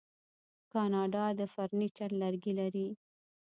کاناډا د فرنیچر لرګي لري.